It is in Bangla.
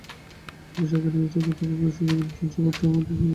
কিন্তু যাকে নিয়ে এত কথা সেই কংগ্রেস সভানেত্রীর জবাবটাও আমরা জেনে গেছি।